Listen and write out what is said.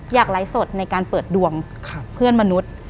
อยากไลฟ์สดในการเปิดดวงเพื่อนมนุษย์